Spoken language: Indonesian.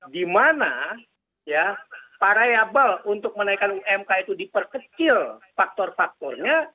dimana ya variable untuk menaikkan umk itu diperkecil faktor faktornya